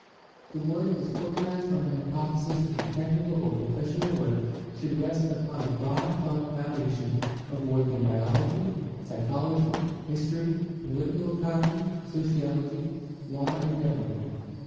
The work is organized on the hypothesis that the technical or pro fessional work should rest upon a broad foundation of work in biology, psychology, history, political economy, sociology, law, and government.